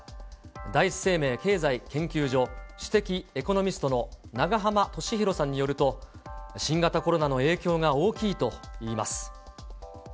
第一生命経済研究所首席エコノミストの永濱利廣さんによると、新型コロナの影響が大きいといいます。